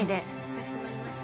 かしこまりました